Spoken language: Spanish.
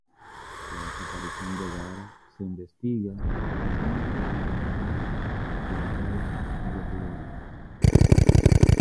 La desaparición de Garat se investiga en un cuarto tramo de la causa "Guerrieri".